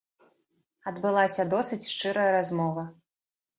Адбылася досыць шчырая размова.